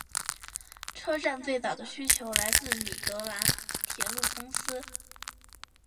车站最早的需求来自米德兰铁路公司。